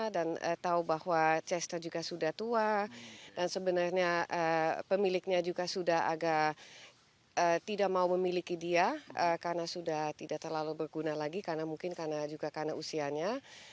tahu bahwa chester juga sudah tua dan sebenarnya pemiliknya juga sudah agak tidak mau memiliki dia karena sudah tidak terlalu berguna lagi karena mungkin karena juga karena usianya